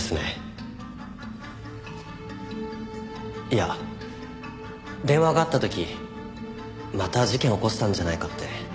いや電話があった時また事件を起こしたんじゃないかって。